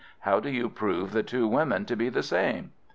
How do you prove the two women to be the same?"